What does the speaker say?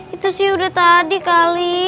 itu sih udah tadi kali